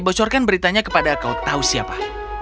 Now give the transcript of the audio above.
bocorkan beritanya kepada kau tahu siapa